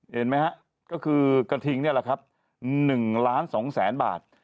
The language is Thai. เห็นไหมฮะก็คือกระทิงนี่แหละครับ๑ล้าน๒แสนบาท